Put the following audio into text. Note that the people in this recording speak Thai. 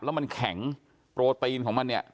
แล้วมันแข็งโปรตีนของมันเนี่ย